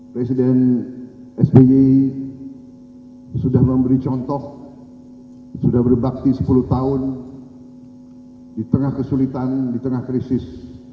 presiden sby sudah memberi contoh sudah berbakti sepuluh tahun di tengah kesulitan di tengah krisis